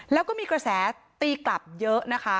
แล้วก็มีกระแสตีกลับเยอะนะคะ